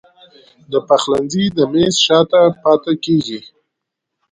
د پخلنځي د میز شاته پاته کیږې